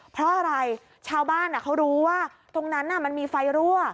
เพราะอะไรชาวบ้านเขารู้ว่าตรงนั้นมันมีไฟรั่ว